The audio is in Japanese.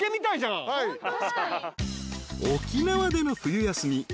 ［沖縄での冬休み］